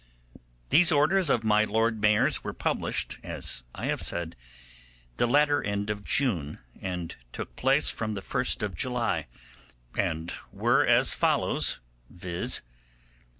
These orders of my Lord Mayor's were published, as I have said, the latter end of June, and took place from the 1st of July, and were as follows, viz.